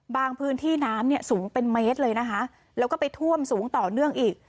พื้นที่น้ำเนี่ยสูงเป็นเมตรเลยนะคะแล้วก็ไปท่วมสูงต่อเนื่องอีก